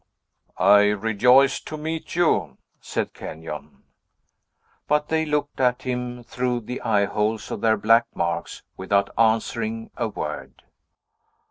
"I rejoice to meet you," said Kenyon. But they looked at him through the eye holes of their black masks, without answering a word.